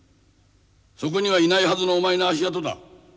そこにはいないはずのお前の足跡だ。